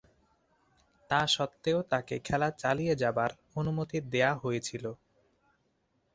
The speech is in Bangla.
তাস্বত্ত্বেও তাকে খেলা চালিয়ে যাবার অনুমতি দেয়া হয়েছিল।